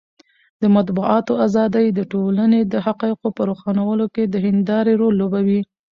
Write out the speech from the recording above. د مطبوعاتو ازادي د ټولنې د حقایقو په روښانولو کې د هندارې رول لوبوي.